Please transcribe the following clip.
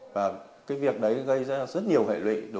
và cái việc đấy gây ra rất nhiều hệ lụy